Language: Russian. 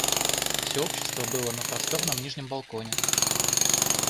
Всё общество было на просторном нижнем балконе.